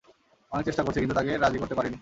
অনেক চেষ্টা করছি কিন্তু তাকে রাজি করতে পারিনি।